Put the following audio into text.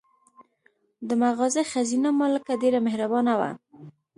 د مغازې ښځینه مالکه ډېره مهربانه وه.